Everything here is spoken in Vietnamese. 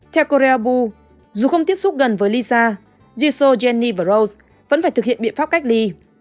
theo korea bull dù không tiếp xúc gần với lisa jisoo jennie và rose vẫn phải thực hiện biện pháp cách ly